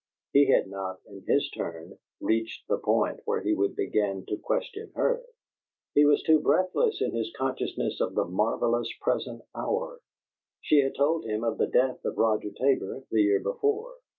He had not, in his turn, reached the point where he would begin to question her; he was too breathless in his consciousness of the marvellous present hour. She had told him of the death of Roger Tabor, the year before.